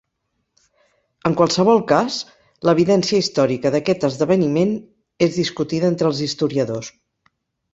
En qualsevol cas, l'evidència històrica d'aquest esdeveniment és discutida entre els historiadors.